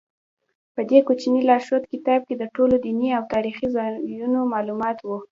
په دې کوچني لارښود کتاب کې د ټولو دیني او تاریخي ځایونو معلومات و.